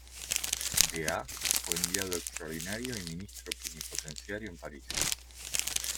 De a fue enviado extraordinario y ministro plenipotenciario en París.